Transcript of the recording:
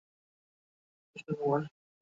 কৃষ্ণা কুমার, কে বলছেন?